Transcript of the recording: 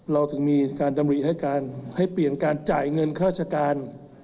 เราถึงมีการดำรีให้การให้เปลี่ยนการจ่ายเงินค่าราชการ